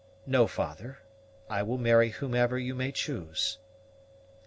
No, father; I will marry whomever you may choose."